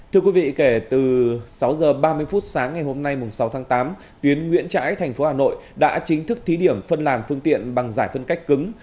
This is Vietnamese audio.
thưa quý vị kể từ sáu h ba mươi phút sáng ngày hôm nay sáu tháng tám tuyến nguyễn trãi thành phố hà nội đã chính thức thí điểm phân làn phương tiện bằng giải phân cách cứng